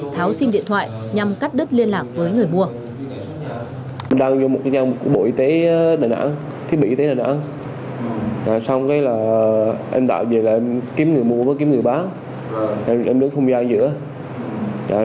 tháo sim điện thoại nhằm cắt đứt liên lạc với người mua